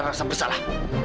ibu tidak rasa bersalah